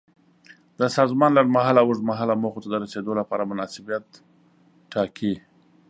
د سازمان لنډمهاله او اوږدمهاله موخو ته د رسیدو لپاره مناسبیت ټاکي.